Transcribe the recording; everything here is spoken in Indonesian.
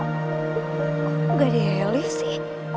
kok gak ada heli sih